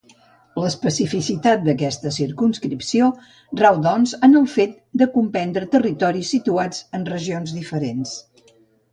L'especificitat d'aquesta circumscripció rau doncs en el fet de comprendre territoris situats en regions diferents.